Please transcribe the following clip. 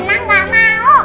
rena gak mau